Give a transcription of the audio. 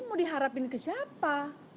mau diharapin ke siapa